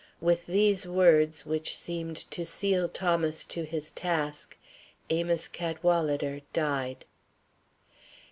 With these words, which seemed to seal Thomas to his task, Amos Cadwalader died.